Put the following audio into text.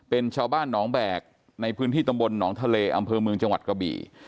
เป็นชาวบ้านหนองแบกในพื้นที่ตำบลหนองทะเลอำเภอเมืองจังหวัดกระบี่